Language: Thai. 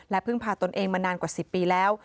พึ่งพาตนเองมานานกว่า๑๐ปีแล้ว